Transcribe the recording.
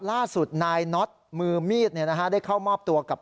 ล่าสุดนายน็อตมือมีดได้เข้ามอบตัวกับ